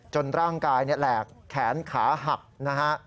ร่างกายแหลกแขนขาหักนะฮะ